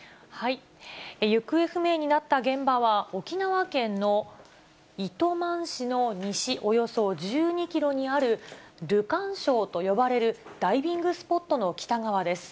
行方不明になった現場は、沖縄県の糸満市の西およそ１２キロにある、ルカン礁と呼ばれるダイビングスポットの北側です。